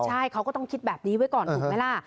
ใช่เขาก็ต้องคิดแบบนี้ไว้ก่อนถูกไหมล่ะ